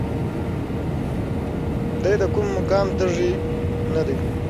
دی د کوم مقام تږی نه دی.